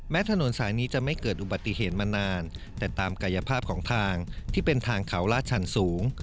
ถนนสายนี้จะไม่เกิดอุบัติเหตุมานานแต่ตามกายภาพของทางที่เป็นทางเขาลาดชันสูง